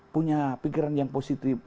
punya pikiran yang positif